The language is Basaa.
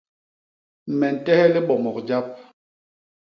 Me ntehe libomok jap.